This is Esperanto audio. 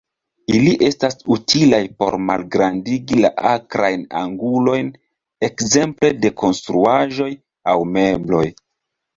Ili estas utilaj por malgrandigi la akrajn angulojn ekzemple de konstruaĵoj aŭ mebloj.